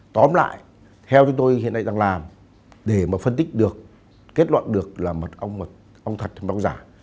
tóm lại theo chúng tôi hiện nay đang làm để mà phân tích được kết luận được là mật ong thật hay mật ong giả